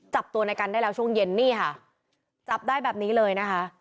จับตัวในกันได้แล้วช่วงเย็นนี่ค่ะจับได้แบบนี้เลยนะคะ